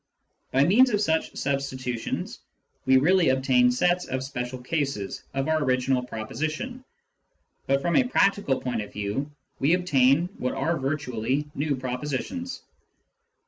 By means of such substitutions we really obtain sets of special cases of our original proposition, but from a prac tical point of view we obtain what are virtually new propositions.